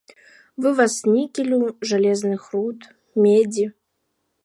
Вываз нікелю, жалезных руд, медзі.